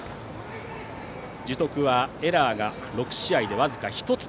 樹徳はエラーが６試合で僅かに１つ。